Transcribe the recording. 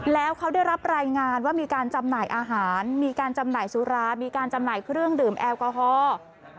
แล้วเขาได้รับรายงานว่ามีการจำหน่ายอาหารมีการจำหน่ายสุรามีการจำหน่ายเครื่องดื่มแอลกอฮอล์